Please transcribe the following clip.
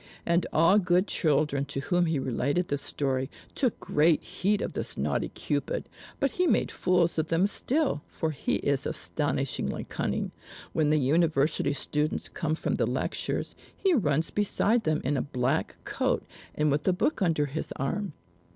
And all good children to whom he related this story, took great heed of this naughty Cupid; but he made fools of them still, for he is astonishingly cunning. When the university students come from the lectures, he runs beside them in a black coat, and with a book under his arm.